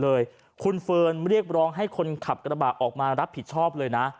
เลยคุณเฟิร์นเรียกร้องให้คนขับกระบะออกมารับผิดชอบเลยนะ